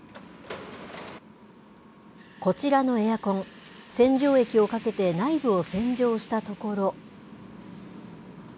こちらのエアコン、洗浄液をかけて内部を洗浄したところ。